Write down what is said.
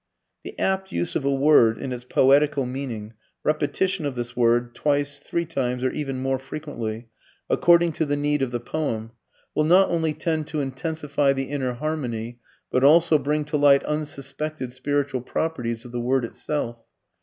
The apt use of a word (in its poetical meaning), repetition of this word, twice, three times or even more frequently, according to the need of the poem, will not only tend to intensify the inner harmony but also bring to light unsuspected spiritual properties of the word itself.